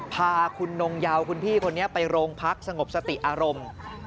พาคุณนงเยาวคุณพี่คนนี้ไปโรงพักสงบสติอารมณ์